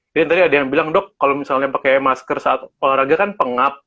jadi tadi ada yang bilang dok kalau misalnya pakai masker saat olahraga kan pengap